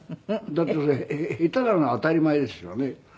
だってそれ下手なのは当たり前ですよね。